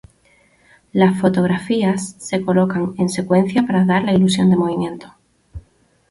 Las fotografías se colocan en secuencia para dar la ilusión de movimiento.